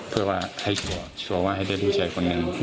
เพื่อว่าให้จริงรู้ชีวิตชายคนนั้น